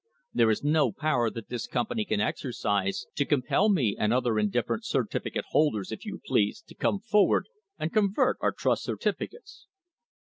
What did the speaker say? "There is no power that this company can exercise to com pel me and other indifferent certificate holders, if you please, to come forward and convert our trust certificates."